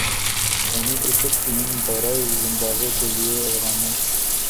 قومی cricket team دورہ Zimbabwe کے لئے روانہ